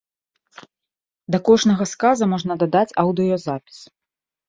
Да кожнага сказа можна дадаць аўдыёзапіс.